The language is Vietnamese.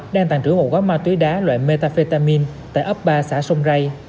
đang tàn trữ một gói ma túy đá loại metafetamin tại ấp ba xã sông rây